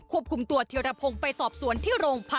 ขอบคุมตัวเทียระพงไปสอบสวนที่โรงพรรค